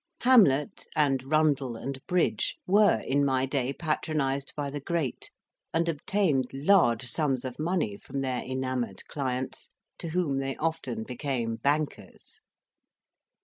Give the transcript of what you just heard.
Hamlet, and Rundell and Bridge, were in my day patronized by the great, and obtained large sums of money from their enamoured clients, to whom they often became bankers.